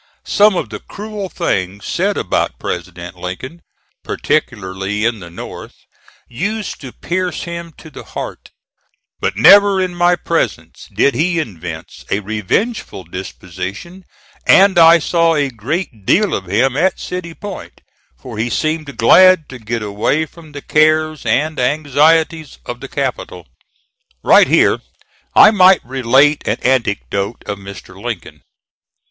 Some of the cruel things said about President Lincoln, particularly in the North, used to pierce him to the heart; but never in my presence did he evince a revengeful disposition and I saw a great deal of him at City Point, for he seemed glad to get away from the cares and anxieties of the capital. Right here I might relate an anecdote of Mr. Lincoln.